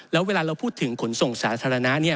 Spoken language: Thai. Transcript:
แล้วเวลาเราพูดถึงขนส่งสาธารณะ